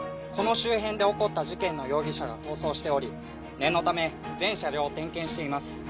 この周辺で起こった事件の容疑者が逃走しており念のため全車両を点検しています。